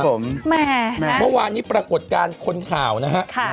แหมงแหมงเมื่อวานนี้ปรากฎการณ์คนข่าวนะฮะค่ะ